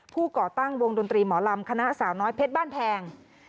ก่อตั้งวงดนตรีหมอลำคณะสาวน้อยเพชรบ้านแพง